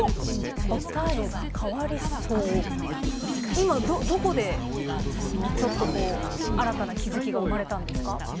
今どこでちょっとこう新たな気付きが生まれたんですか？